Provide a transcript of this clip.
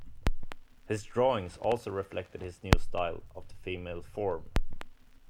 His drawings also reflected his new style of the female form.